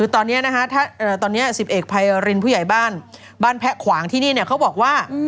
ตอนนี้ตอนนี้๑๑ไพรินผู้ใหญ่บ้านบ้านแพะขวางที่นี่เขาบอกว่า